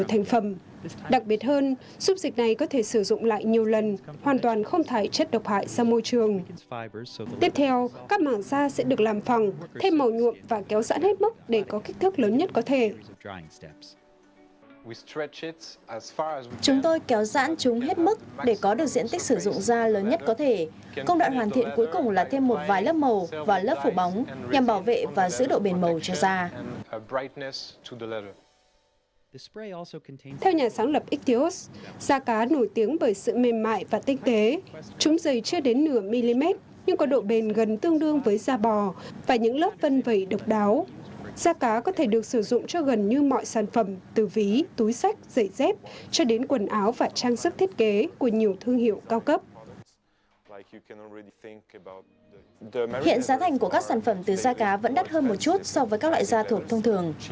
hiện giá thành của các sản phẩm từ da cá vẫn đắt hơn một chút so với các loại da thuộc thông thường